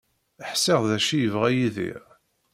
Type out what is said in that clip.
Ḥṣiɣ d acu yebɣa Yidir.